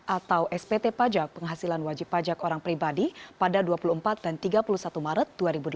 atau spt pajak penghasilan wajib pajak orang pribadi pada dua puluh empat dan tiga puluh satu maret dua ribu delapan belas